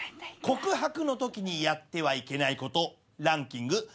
告白のときにやってはいけないことランキング